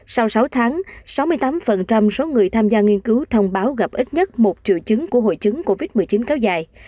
sau sáu tháng sáu mươi tám số người tham gia nghiên cứu thông báo gặp ít nhất một triệu chứng của hội chứng covid một mươi chín kéo dài